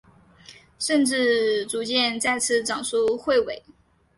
甚至逐渐再次长出彗尾。